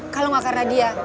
kalau gak karena dia